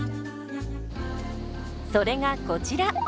それがこちら。